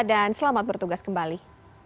dan selamat bertugas kembali